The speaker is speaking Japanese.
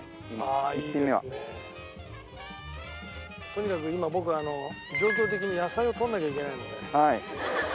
とにかく今僕状況的に野菜をとらなきゃいけないので。